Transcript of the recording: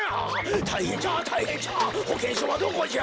たいへんじゃたいへんじゃほけんしょうはどこじゃ？